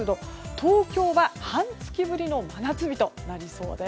東京は半月ぶりの真夏日となりそうです。